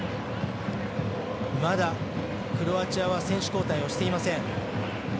まだクロアチアは選手交代をしていません。